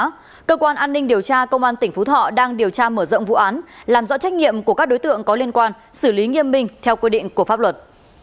trước đó cơ quan an ninh điều tra công an tỉnh phú thọ đang điều tra mở rộng vụ án làm rõ trách nhiệm của các đối tượng có liên quan xử lý nghiêm minh theo quy định của pháp luật